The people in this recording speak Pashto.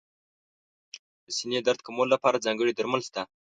د سینې درد کمولو لپاره ځانګړي درمل شته.